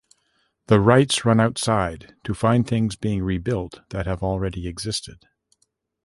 The Wrights run outside to find things being rebuilt that have already existed.